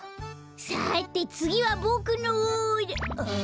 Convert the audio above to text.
さてつぎはボクのあ？